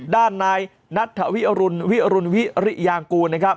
ด้านนายนัทธวิรุณวิรุณวิริยางกูลนะครับ